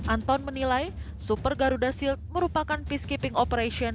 anton menilai super garuda shield merupakan peacekeeping operation